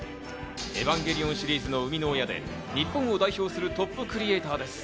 『エヴァンゲリオン』シリーズの生みの親で日本を代表するトップクリエイターです。